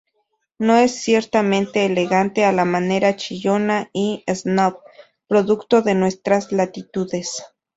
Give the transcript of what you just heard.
No es ciertamente elegante a la manera chillona y "snob", producto de nuestras latitudes.